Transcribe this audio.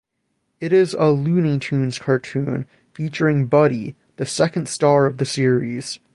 It is a "Looney Tunes" cartoon, featuring Buddy, the second star of the series.